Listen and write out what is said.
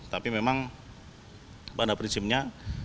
tapi memang pada prinsipnya